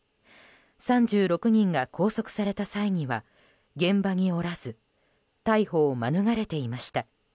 ３６人が拘束された際には現場におらず逮捕を免れていました。